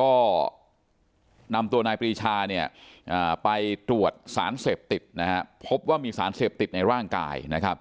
ก็นำตัวนายปรีชาเนี่ยไปตรวจสารเสพติดนะครับพบว่ามีสารเสพติดในร่างกายนะครับ